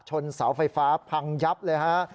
เสาไฟฟ้าพังยับเลยฮะ